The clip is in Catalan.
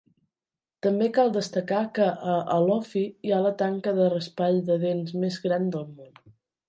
També cal destacar que a Alofi hi ha la tanca de raspall de dents més gran del món.